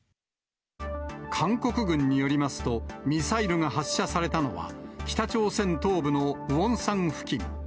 韓国軍によりますと、ミサイルが発射されたのは、北朝鮮東部のウォンサン付近。